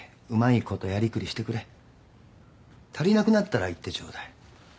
足りなくなったら言ってちょうだい。